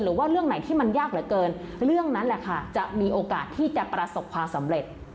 เรื่องไหนที่มันยากเหลือเกินเรื่องนั้นแหละค่ะจะมีโอกาสที่จะประสบความสำเร็จ